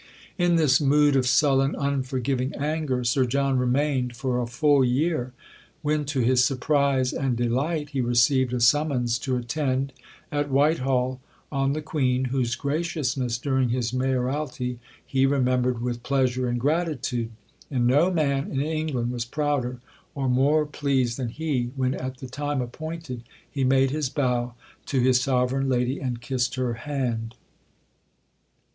In this mood of sullen, unforgiving anger Sir John remained for a full year; when to his surprise and delight he received a summons to attend, at Whitehall, on the Queen, whose graciousness during his mayoralty he remembered with pleasure and gratitude; and no man in England was prouder or more pleased than he when, at the time appointed, he made his bow to his Sovereign Lady and kissed her hand.